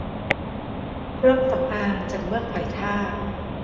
เครื่องสำอางจากเมือกหอยทาก